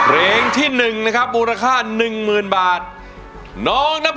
ร้องได้ร้องได้ร้องได้ร้องได้ร้องได้